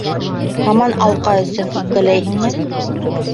Һаман алҡа өсөн үпкәләйһеңме?